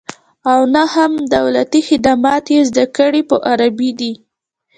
او نه هم دولتي خدمات یې زده کړې په عربي دي